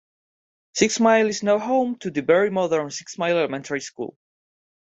Six Mile is now home to the very modern Six Mile Elementary School.